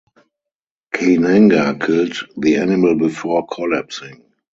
Kananga killed the animal before collapsing.